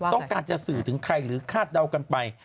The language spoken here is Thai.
ต้องการจะสื่อถึงใครหรือคาดเดากันไป